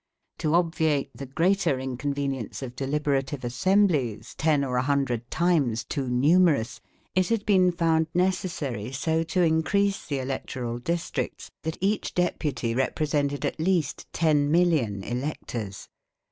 To obviate the greater inconvenience of deliberative assemblies, ten or a hundred times too numerous, it had been found necessary so to increase the electoral districts that each deputy represented at least ten million electors.